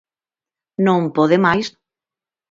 Non pode máis.